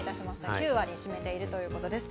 ９割を占めているということですね。